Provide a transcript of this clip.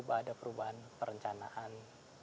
ada perubahan perencanaan